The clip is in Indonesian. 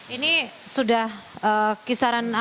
ini sudah kisaran akhirnya